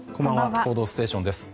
「報道ステーション」です。